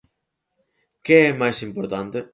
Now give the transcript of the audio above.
Que é máis importante?